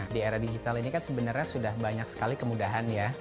di era digital ini kan sebenarnya sudah banyak sekali kemudahan ya